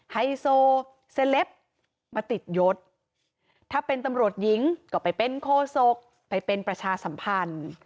ไฮโซเซเลปมาติดยศถ้าเป็นตำรวจหญิงก็ไปเป็นโคศกไปเป็นประชาสัมพันธ์